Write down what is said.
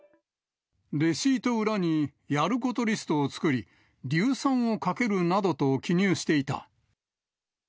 レシート裏に、やることリストを作り、硫酸をかけるなどと記入していた。